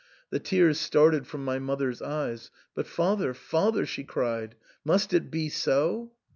The tears started from my mother's eyes. " But, father, father," she cried, " must it be so